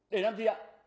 để làm gì ạ